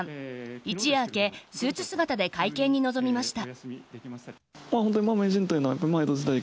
一夜明けスーツ姿で会見に臨みました。